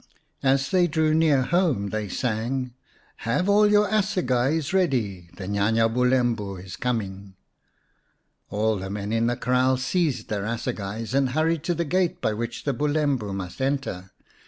As they drew near home they sang :" Have all your assegais ready ! The Nya nya Bulembu is coining !" All the men in the kraal seized their assegais and hurried to the gate by which the Bulembu must enter.